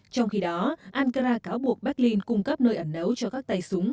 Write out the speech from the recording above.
trong khi đó ankara cáo buộc berlin cung cấp nơi ẩn nấu cho các tay súng